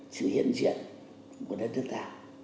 sự hiện diện của đất nước ta